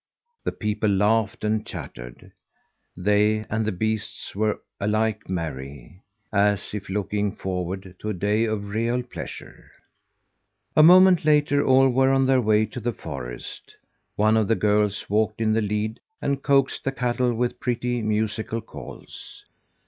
The people laughed and chattered. They and the beasts were alike merry as if looking forward to a day of real pleasure. A moment later all were on their way to the forest. One of the girls walked in the lead and coaxed the cattle with pretty, musical calls.